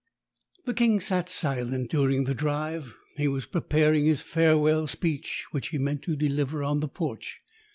The King sat silent during the drive; he was preparing his farewell speech, which he meant to deliver in the porch.